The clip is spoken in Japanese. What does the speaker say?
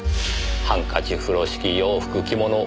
ハンカチ風呂敷洋服着物帯。